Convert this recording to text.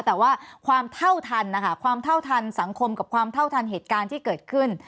แต่ว่าความเท่าทันนะคะความเท่าทันสังคมกับความเท่าทันเหตุการณ์ที่เกิดขึ้น